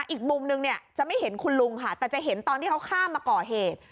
อีกมุมนึงเนี่ยจะไม่เห็นคุณลุงค่ะแต่จะเห็นตอนที่เขาข้ามมาก่อเหตุ